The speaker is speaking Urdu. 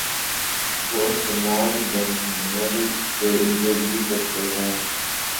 وہ سلمان ڈیمرل سے انٹرویو کرتے ہیں۔